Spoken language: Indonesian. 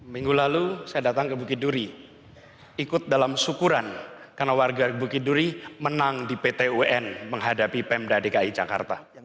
minggu lalu saya datang ke bukit duri ikut dalam syukuran karena warga bukit duri menang di pt un menghadapi pemda dki jakarta